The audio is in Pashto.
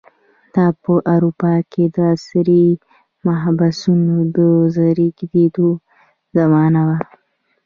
دا په اروپا کې د عصري محبسونو د زېږېدو زمانه وه.